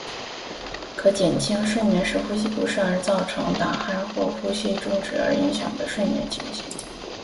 可减轻睡眠时呼吸不顺而造成打鼾或呼吸中止而影响睡眠的情形。